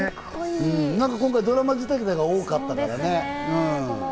今回、ドラマ仕立てが多かったからね。